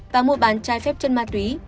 và mua bán chai phép chân mặt túy